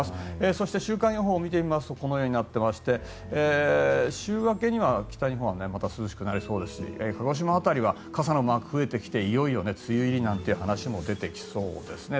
そして、週間予報はこのようになっていまして週明けには北日本はまた涼しくなりそうで鹿児島辺りは傘のマークが増えてきて、いよいよ梅雨入りなんていう話も出てきそうですね。